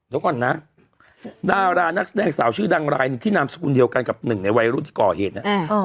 เดี๋ยวก่อนนะดารานักแสดงสาวชื่อดังรายหนึ่งที่นามสกุลเดียวกันกับหนึ่งในวัยรุ่นที่ก่อเหตุน่ะ